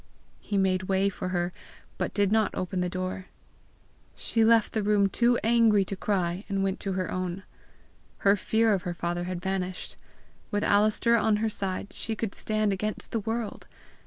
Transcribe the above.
He made way for her, but did not open the door. She left the room too angry to cry, and went to her own. Her fear of her father had vanished. With Alister on her side she could stand against the world!